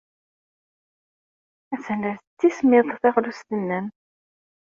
Attan la tettismiḍ teɣlust-nnem.